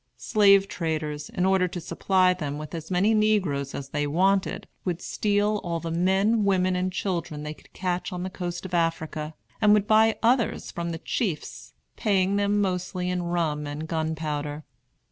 Slave traders, in order to supply them with as many negroes as they wanted, would steal all the men, women, and children they could catch on the coast of Africa; and would buy others from the chiefs, paying them mostly in rum and gunpowder.